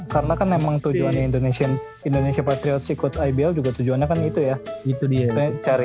karena kan emang tujuannya indonesia patriarch ikut ibl juga tujuannya kan itu ya